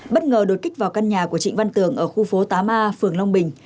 bất ngờ đột kích vào căn nhà của trịnh văn tường ở khu phố tám a phường long bình